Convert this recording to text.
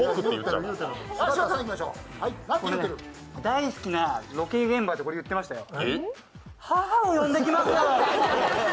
大好きなロケ現場で、これ言ってましたよ。